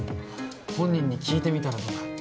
本人に聞いてみたらどうだ？